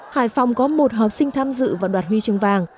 hải phòng có một học sinh tham dự vào đoạt huy chương vàng